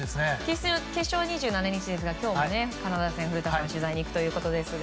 決勝２７日ですが今日のカナダ戦、古田さん取材に行くということですが。